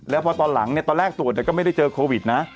แล้วพอตอนหลังตอนแรกตรวจก็ไม่ได้เจอโควิดนะ